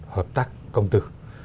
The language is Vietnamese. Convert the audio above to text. hợp tác công tử